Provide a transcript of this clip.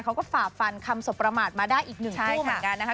ฝ่าฟันคำสบประมาทมาได้อีกหนึ่งคู่เหมือนกันนะคะ